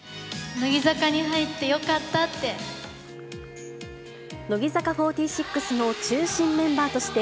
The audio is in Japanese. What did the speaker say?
乃木坂に入ってよかったって。